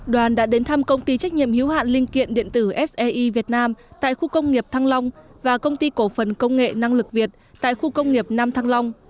đoàn đã đến thăm công ty trách nhiệm hiếu hạn linh kiện điện tử see việt nam tại khu công nghiệp thăng long và công ty cổ phần công nghệ năng lực việt tại khu công nghiệp nam thăng long